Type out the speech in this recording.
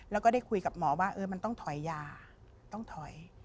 แล้วก็ได้คุยกับหมอว่ามันต้องถอยยาต้องถอย